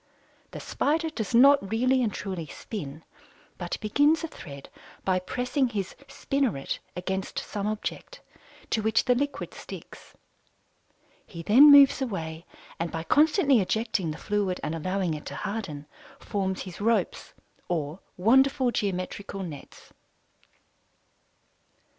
The Spider does not really and truly "spin," but begins a thread by pressing his "spinneret" against some object, to which the liquid sticks. He then moves away and by constantly ejecting the fluid and allowing it to harden, forms his ropes or wonderful geometrical nets.